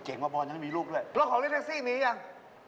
อ๋อเจ๋งป่ะบอลยังมีลูกด้วยแล้วของเล่นแท็กซี่มียัง